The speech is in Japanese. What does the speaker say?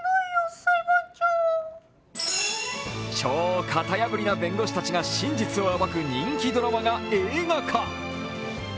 超型破りな弁護士たちが真実を暴く人気ドラマが映画化。